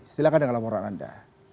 silahkan dengan laporan anda